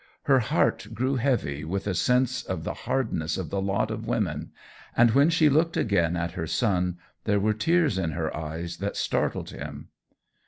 Her heart grew heavy with a sense of the hardness of the lot of women, and when she looked again at her son there were tears in her eyes that startled him.